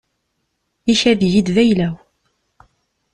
Ikad-iyi-d d ayla-w.